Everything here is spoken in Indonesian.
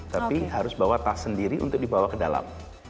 tapi harus bawa tas sendiri untuk dibawa ke dalam